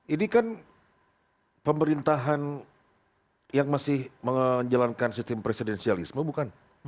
ini kan pemerintahan yang masih menjalankan sistem presidensialisme bukan